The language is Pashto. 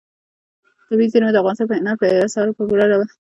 طبیعي زیرمې د افغانستان په هنر په اثار کې په پوره ډول منعکس کېږي.